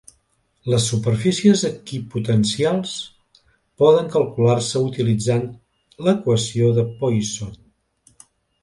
Les superfícies equipotencials poden calcular-se utilitzant l'equació de Poisson.